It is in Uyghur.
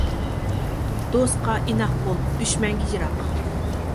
دوستقا ئىناق بول، دۈشمەنگە يىراق.